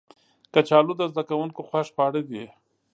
کچالو د زده کوونکو خوښ خواړه دي